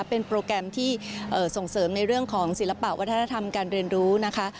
เป็นโปรแกรมที่ส่งเสริมในเรื่องของศิลปะวัฒนธรรมการเรียนรู้นะคะ